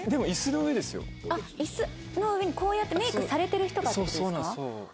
あっ椅子の上にこうやってメイクされてる人がって事ですか？